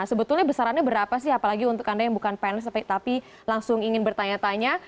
sebetulnya besarannya berapa sih apalagi untuk anda yang bukan pns tapi langsung ingin bertanya tanya